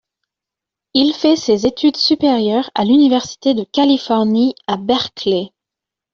Il fait ses études supérieures à l'université de Californie à Berkeley.